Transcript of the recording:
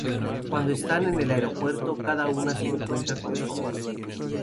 Cuando están en el aeropuerto cada una se encuentra con su amor.